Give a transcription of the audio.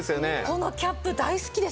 このキャップ大好きですもん。